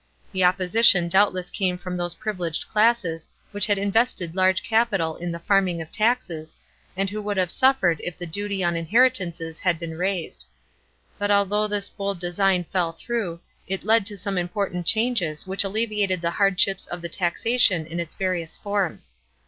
The opposition doubtless came from those privileged classes which had invested large capital in the farming of taxes, and who would have suffered if the duty on inheritances had been raised. But although this bold design fell through, it led to some important changes which alleviated the hardships of the taxation in its various forms.